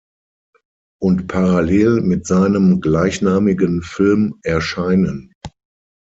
Und parallel mit seinem gleichnamigen Film erscheinen.